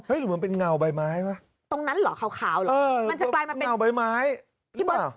เห้ยหรือเป็นเงาใบไม้วะตรงนั้นหรอขาวหรอมันจะกลายมาเป็นเงาใบไม้หรือเปล่า